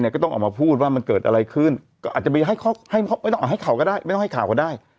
ออกมาพูดว่ามันเกิดอะไรขึ้นก็อาจจะไปให้ข่าวก็ได้